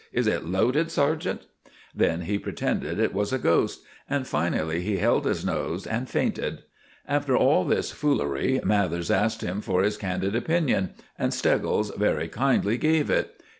Is it loaded, sergeant?" Then he pretended it was a ghost, and finally he held his nose and fainted. After all this foolery Mathers asked him for his candid opinion, and Steggles very kindly gave it.